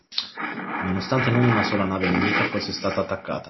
Nonostante non una sola nave nemica fosse stata attaccata